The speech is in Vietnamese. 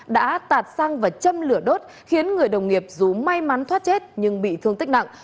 đã tạt sang và châm lửa đốt khiến người đồng nghiệp dù may mắn thoát chết nhưng bị thương tích nặng